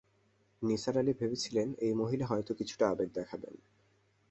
নিসার আলি ভেবেছিলেন, এই মহিলাটি হয়তো কিছুটা আবেগ দেখাবেন।